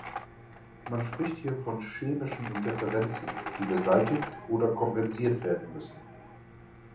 Man spricht hier von chemischen Interferenzen, die beseitigt oder kompensiert werden müssen.